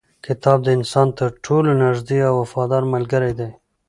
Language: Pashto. کتاب د انسان تر ټولو نږدې او وفاداره ملګری دی.